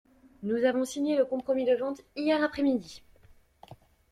Nous avons signé le compromis de vente hier après-midi.